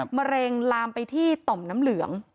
มะเร็งลามไปที่ต่อมน้ำเหลือง